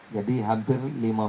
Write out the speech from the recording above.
jadi hampir lima puluh